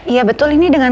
ya betul ini dengan